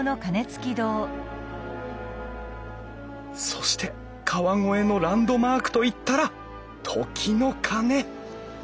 そして川越のランドマークといったら時の鐘